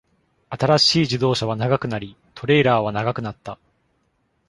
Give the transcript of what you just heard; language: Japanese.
新しい自動車は長くなり、トレーラーは長くなった。